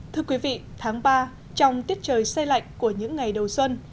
thưa quý vị tháng ba trong tiết trời xe lạnh của những ngày đầu xuân